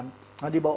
nó đi bộ